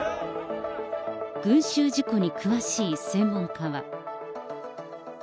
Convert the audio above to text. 群集事故に詳しい専門家は。